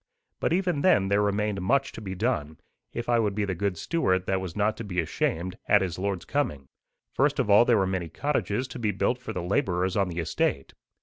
But even then there remained much to be done, if I would be the good steward that was not to be ashamed at his Lord's coming. First of all there were many cottages to be built for the labourers on the estate.